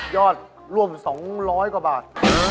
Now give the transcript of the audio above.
ร่วม๒๐๐กว่าบาท